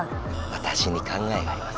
わたしに考えがあります。